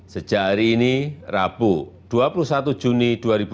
sejak hari ini rabu dua puluh satu juni dua ribu dua puluh